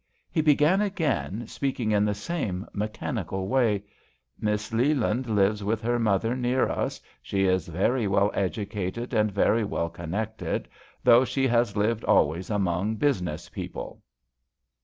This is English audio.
He began again, speaking in the same mechanical way "Miss Leland lives with her mother near us. She is very well educated and very well con nected, though she has lived always among business people."